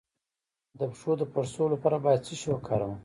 د پښو د پړسوب لپاره باید څه شی وکاروم؟